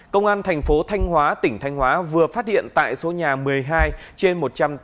công an thành phố thanh hóa tỉnh thanh hóa vừa phát hiện tại số nhà một mươi hai trên một trăm tám mươi